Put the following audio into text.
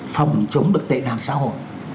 phòng chống được tệ nạn xã hội